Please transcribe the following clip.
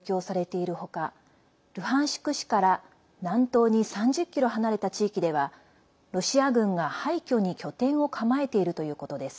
ルハンシク市でロシア軍の部隊が増強されている他ルハンシク市から南東に３０ｋｍ離れた地域ではロシア軍が、廃墟に拠点を構えているということです。